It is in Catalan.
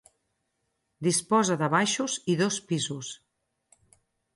Disposa de baixos i dos pisos.